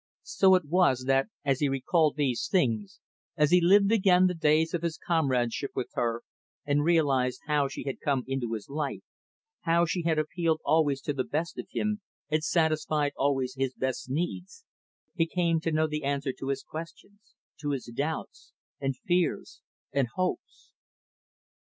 So it was, that, as he recalled these things, as he lived again the days of his companionship with her and realized how she had come into his life, how she had appealed always to the best of him, and satisfied always his best needs, he came to know the answer to his questions to his doubts and fears and hopes.